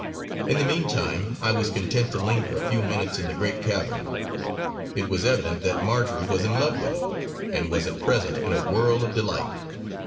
In the meantime I was content to linger a few minutes in the great cavern. It was evident that Marjory was in love with it, and was at present in a whirl of delight.